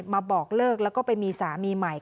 มาบอกเลิกแล้วก็ไปมีสามีใหม่